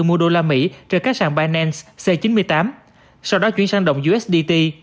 mua đô la mỹ trên các sàn binance c chín mươi tám sau đó chuyển sang đồng usdt